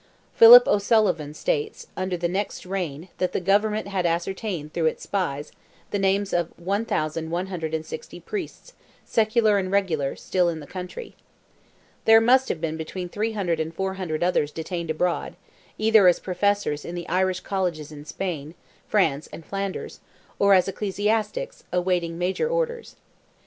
Philip O'Sullivan states, under the next reign that the government had ascertained through its spies, the names of 1,160 priests, secular and regular, still in the country. There must have been between 300 and 400 others detained abroad, either as Professors in the Irish Colleges in Spain, France, and Flanders, or as ecclesiastics, awaiting major orders.